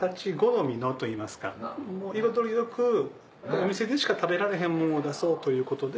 お店でしか食べられへんものを出そうということで。